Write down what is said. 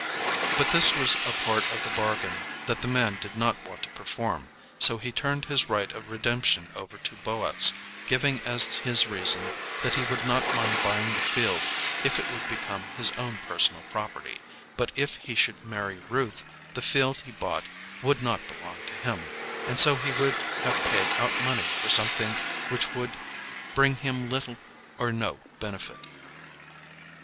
But this was a part of the bargain that the man did not want to perform, so he turned his right of redemption over to Boaz, giving as his reason, that he would not mind buying the field if it would become his own personal property, but if he should marry Ruth the field he bought would not belong to him; and so he would have paid out money for something which would bring him little or no benefit.